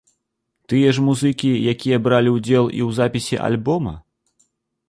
Тыя ж музыкі, якія бралі ўдзел і ў запісе альбома?